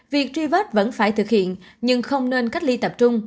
việc truy vết vẫn phải thực hiện nhưng không nên cách ly tập trung